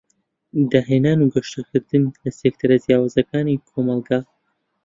داهێنان و گەشکردن لە سیکتەر جیاوازەکانی کۆمەلگا.